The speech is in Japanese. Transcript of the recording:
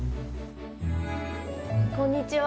こんにちは。